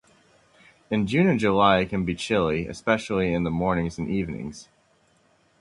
In June and July it can be chilly, especially in the mornings and evenings.